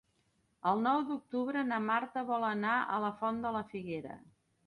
El nou d'octubre na Marta vol anar a la Font de la Figuera.